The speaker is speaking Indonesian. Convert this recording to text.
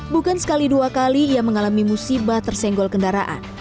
bukan sekali dua kali ia mengalami musibah tersenggol kendaraan